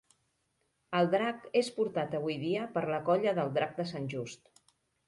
El drac és portat avui dia per la Colla del Drac de Sant Just.